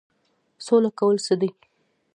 سوله کول څه دي؟